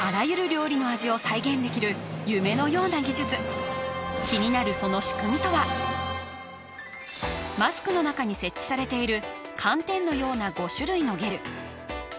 できる夢のような技術気になるその仕組みとはマスクの中に設置されている寒天のような５種類のゲル